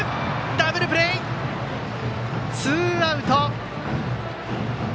ダブルプレー、ツーアウト。